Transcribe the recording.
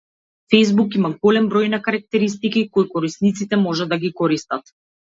Фејсбук има голем број на карактеристики кои корисниците можат да ги користат.